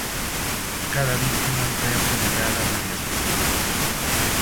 Cada víctima fue apuñalada varias veces.